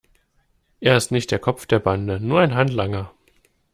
Er ist nicht der Kopf der Bande, nur ein Handlanger.